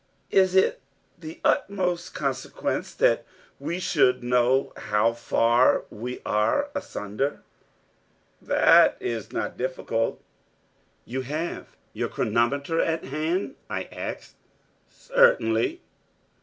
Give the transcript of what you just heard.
.......... "It is of the utmost consequence that we should know how far we are asunder." .......... "That is not difficult." .......... "You have your chronometer at hand?" I asked. .......... "Certainly."